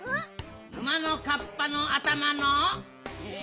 沼のカッパのあたまの。